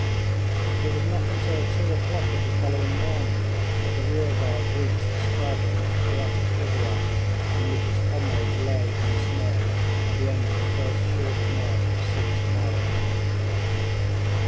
It was not until two o'clock of the following morning that the rear guard reached the straggling and chaotic bivouac in which its comrades lay in the snow at the end of the first short march of six miles.